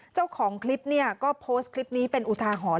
เจ้าของคลิปเนี่ยก็โพสต์คลิปนี้เป็นอุทาหรณ์